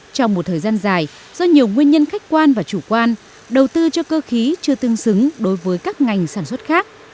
trong một thời gian dài do nhiều nguyên nhân khách quan và chủ quan đầu tư cho cơ khí chưa tương xứng đối với các ngành sản xuất khác